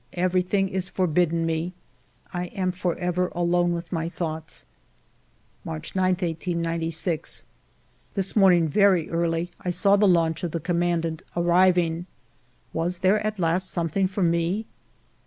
Everything is forbidden me; I am forever alone with mv thoughts. 196 FIVE YEARS OF MY LIFE March 9, 1896. This morning, very early, I saw the launch of the commandant arriving. Was there at last something for me